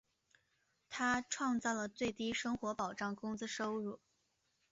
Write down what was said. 他创造了最低生活保障工资收入。